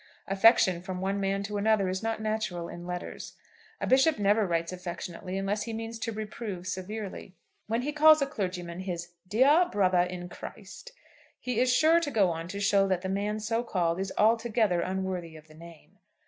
Affection from one man to another is not natural in letters. A bishop never writes affectionately unless he means to reprove severely. When he calls a clergyman his "dear brother in Christ," he is sure to go on to show that the man so called is altogether unworthy of the name.